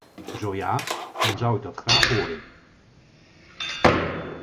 Zo ja, dan zou ik dat graag horen.